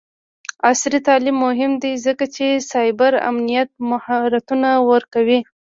عصري تعلیم مهم دی ځکه چې د سایبر امنیت مهارتونه ورکوي.